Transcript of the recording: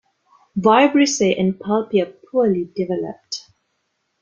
Vibrissae and palpi are poorly developed.